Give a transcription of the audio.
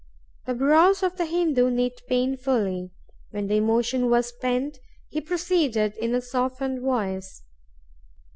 The brows of the Hindoo knit painfully; when the emotion was spent, he proceeded, in a softened voice.